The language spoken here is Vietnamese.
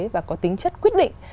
và có tính chất quyết định